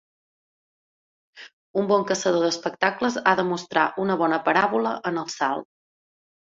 Un bon caçador d'espectacles ha de mostrar una bona paràbola en el salt.